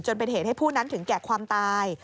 เป็นเหตุให้ผู้นั้นถึงแก่ความตาย